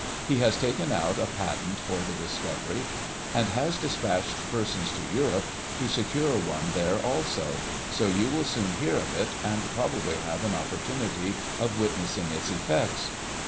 He has taken out a patent for Digiti ized by Google 1846] ETHER. 301 the discovery, and has despatched persons to Europe to secure cne there also ; so you will soon hear of it, and, probably, have an opportunity of witnessing its effects."